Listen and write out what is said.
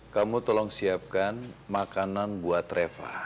kamu tolong siapkan makanan buat reva